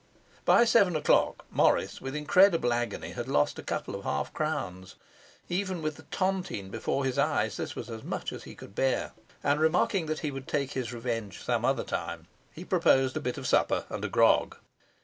By seven o'clock, Morris, with incredible agony, had lost a couple of half crowns. Even with the tontine before his eyes, this was as much as he could bear; and, remarking that he would take his revenge some other time, he proposed a bit of supper and a grog.